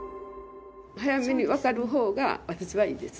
早めに分かるほうが、私はいいです。